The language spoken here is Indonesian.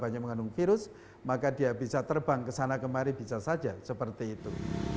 banyak mengandung virus maka dia bisa terbang ke sana kemari bisa saja seperti itu